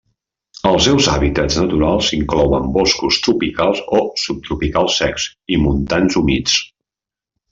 Els seus hàbitats naturals inclouen boscos tropicals o subtropicals secs i montans humits.